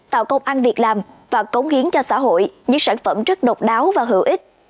tạo công ăn việc làm và cống hiến cho xã hội những sản phẩm rất độc đáo và hữu ích